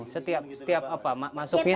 setiap apa masuknya